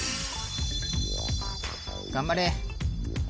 頑張れ。